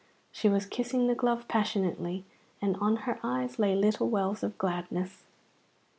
She was kissing the glove passionately, and on her eyes lay little wells of gladness.